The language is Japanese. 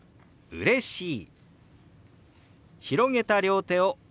「うれしい」。